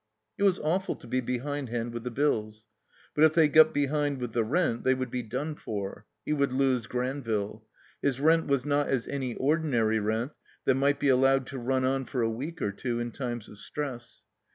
It was awftil to be behindhand with the bills. But if they got behind with the rent they would be done for. He would lose Granville. His rent was not as any ordinary rent that might be allowed to run on for a week or two in times of stress.